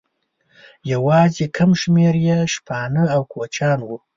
یواځې کم شمېر یې شپانه او کوچیان وو.